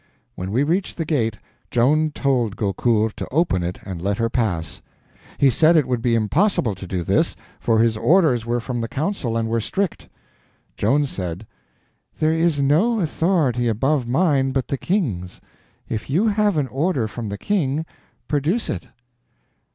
When we reached the gate, Joan told Gaucourt to open it and let her pass. He said it would be impossible to do this, for his orders were from the council and were strict. Joan said: "There is no authority above mine but the King's. If you have an order from the King, produce it."